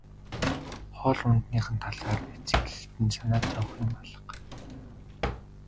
Хоол ундных нь талаар эцэг эхэд нь санаа зовох юм алга.